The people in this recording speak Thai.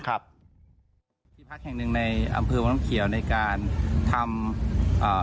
ที่พักแห่งหนึ่งในอำเภอวังน้ำเขียวในการทำอ่า